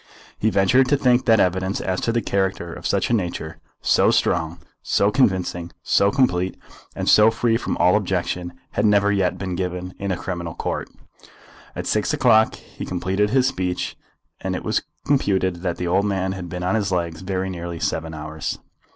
He ventured to think that evidence as to the character of such a nature, so strong, so convincing, so complete, and so free from all objection, had never yet been given in a criminal court. At six o'clock he completed his speech, and it was computed that the old man had been on his legs very nearly seven hours.